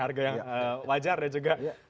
harga yang wajar dan juga